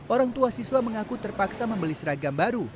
orang tua siswa mengaku terpaksa membeli seragam baru